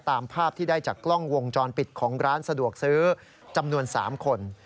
ตามภาพที่ได้จากกล้องวงจรปิดของร้านสะดวกซื้อจำนวน๓คน